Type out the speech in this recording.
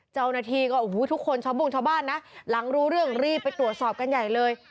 เจ้าหน้าที่ก็โอ้โหทุกคนชาวโบ้งชาวบ้านนะหลังรู้เรื่องรีบไปตรวจสอบกันใหญ่เลย